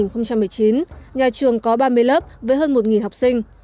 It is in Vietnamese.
năm học hai nghìn một mươi tám hai nghìn một mươi chín nhà trường có ba mươi lớp với hơn một học sinh